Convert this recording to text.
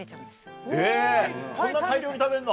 そんな大量に食べんの？